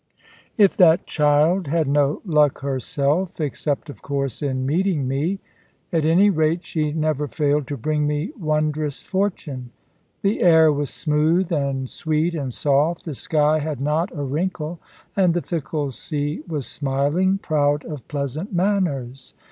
If that child had no luck herself (except, of course, in meeting me), at any rate she never failed to bring me wondrous fortune. The air was smooth, and sweet, and soft, the sky had not a wrinkle, and the fickle sea was smiling, proud of pleasant manners.